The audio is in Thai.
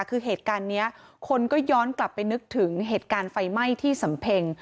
คือเหตุการณ์นี้คนก็ย้อนกลับไปนึกถึงเหตุการณ์ไฟไหม้ที่สำเพ็ง